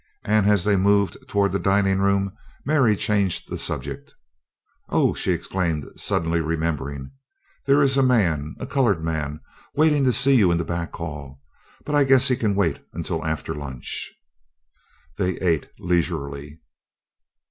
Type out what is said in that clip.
And as they moved toward the dining room Mary changed the subject. "Oh," she exclaimed, suddenly remembering. "There is a man a colored man waiting to see you in the back hall, but I guess he can wait until after lunch." They ate leisurely.